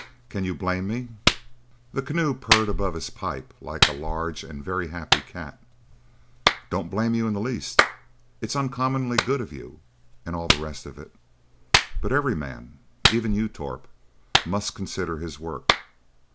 "Can you blame me?" The Keneu purred above his pipe like a large and very happy cat—"Don't blame you in the least. It's uncommonly good of you, and all the rest of it, but every man—even you, Torp—must consider his work.